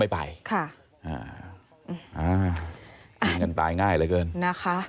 ที่มันก็มีเรื่องที่ดิน